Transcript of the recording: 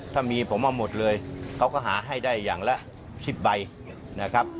ถ้ามีผมเอาหมดเลยเขาก็หาให้ได้อย่างละ๑๐ใบนะครับ